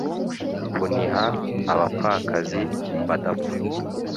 Kuniha abapfakazi badapfa